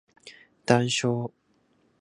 談笑